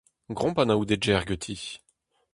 Greomp anaoudegezh ganti.